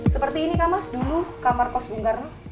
seperti ini kan mas dulu kamar kos bung karno